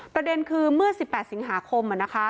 ประเด็นคือเมื่อ๑๘สิงหาคม